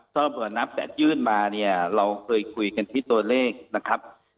ถ้าเผื่อนับแต่ยื่นมาเนี่ยเราเคยคุยกันที่ตัวเลขนะครับ